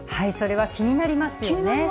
それは気になりますよね。